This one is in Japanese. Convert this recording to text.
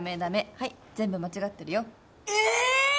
はい全部間違ってるよえ！